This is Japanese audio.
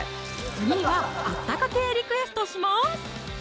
次は温か系リクエストしまーす！